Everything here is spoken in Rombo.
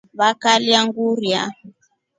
Vakalya ngurya.